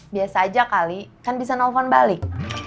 biasa aja kali kan bisa nelfon balik